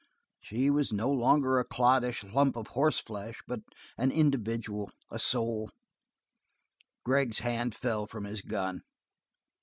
She was no longer a cloddish lump of horseflesh, but an individual, a soul; Gregg's hand fell from his gun.